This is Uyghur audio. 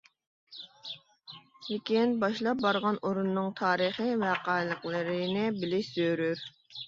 لېكىن باشلاپ بارغان ئورۇننىڭ تارىخى ۋەقەلىكلىرىنى بىلىش زۆرۈر.